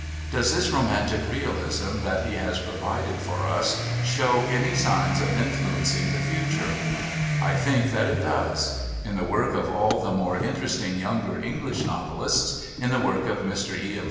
Does this Romantic Realism that he has provided for us show any signs of influencing that future? I think that it does. In the work of all of the more interesting younger English novelists in the work of Mr E. M.